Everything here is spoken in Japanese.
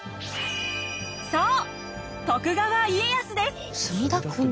そう徳川家康です！